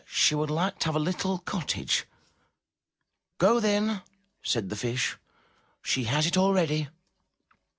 She would like to have a little cottage. *'Go then/' said the fish, she has it already."